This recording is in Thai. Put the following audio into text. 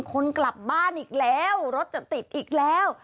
คนกลับบ้านอีกแล้วรถจะติดอีกแล้ว